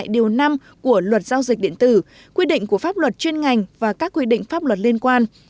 điều năm của luật giao dịch điện tử quy định của pháp luật chuyên ngành và các quy định pháp luật liên quan